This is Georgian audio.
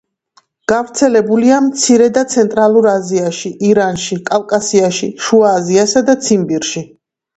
გავრცელებულია მცირე და ცენტრალურ აზიაში, ირანში, კავკასიაში, შუა აზიასა და ციმბირში.